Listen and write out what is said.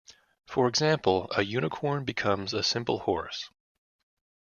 For example, a unicorn becomes a simple horse.